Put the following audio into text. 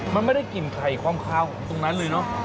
มันไม่ได้กลิ่นไข่คล่องข้าวตรงนั้นเลยเนอะ